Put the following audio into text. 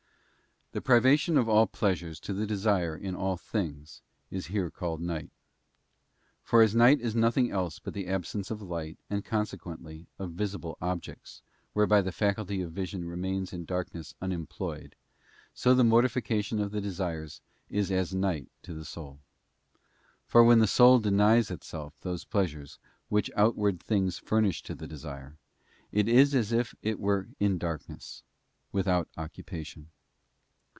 Tux privation of all pleasure to the desire in all things is here called night. For as night is nothing else but the absence of light, and, consequently, of visible objects, whereby the faculty of vision remains in darkness unem ployed, so the mortification of the desires is as night to the soul. For when the soul denies itself those pleasures which outward things furnish to the desire, it is as it were in darkness, without occupation.